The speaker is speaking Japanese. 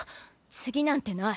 次なんてない。